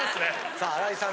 さあ新井さん